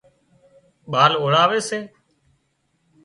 ٻال اوۯاوي سي